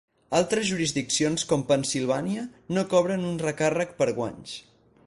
Altres jurisdiccions com Pennsilvània no cobren un recàrrec per guanys.